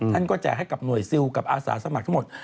ท่านก็แจกให้กับหน่วยซิลกับอาสาสมัครทั้งหมด